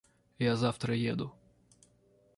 Я завтра еду.